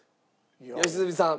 良純さん。